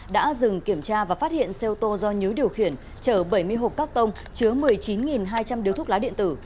đã dừng kiểm tra và phát hiện xe ô tô do nhứ điều khiển chở bảy mươi hộp cắt tông chứa một mươi chín hai trăm linh điếu thuốc lá điện tử